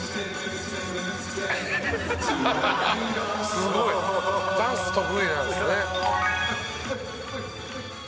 「すごい！ダンス得意なんですね」